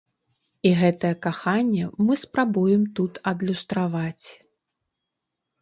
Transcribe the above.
І гэтае каханне мы спрабуем тут адлюстраваць.